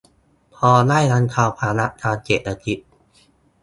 พอได้บรรเทาภาระทางเศรษฐกิจ